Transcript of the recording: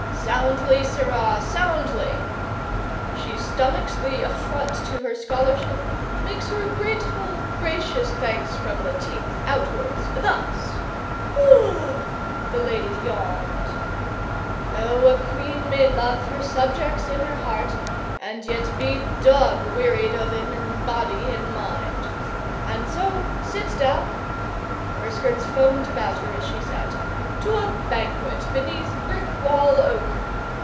'Soundly, sirrah, soundly! She stomachs the affront to her scholarship, makes her grateful, gracious thanks from the teeth outwards, thus' (the lady yawned) 'Oh, a Queen may love her subjects in her heart, and yet be dog wearied of 'em 'in body and mind and so sits down' her skirts foamed about her as she sat 'to a banquet beneath Brickwall Oak.